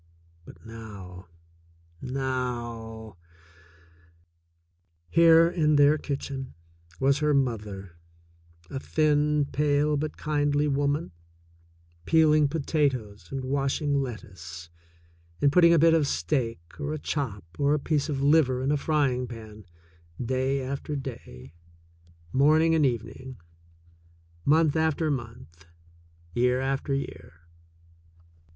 But now, now ! Here, in their kitchen, was her mother, a thin, pale, but kindly woman, peeling potatoes and washing let tuce, and putting a bit of steak or a chop or a piece of liver in a frying pan day after day, morning and evening, month after month, year after year.